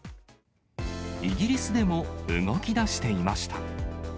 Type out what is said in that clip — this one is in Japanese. イギリスでも、動きだしていました。